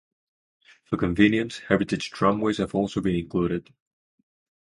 For convenience, heritage tramways have also been included.